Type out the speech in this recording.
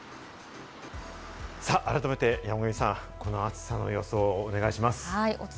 改めて山神さん、この暑さの予想をお願いします。